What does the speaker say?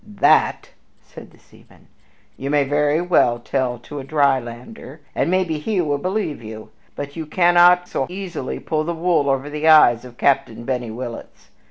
"That," says the seaman, "you may very well tell to a dry lander, and maybe he will believe you; but you cannot so easily pull the wool over the eyes of Captain Benny Willitts.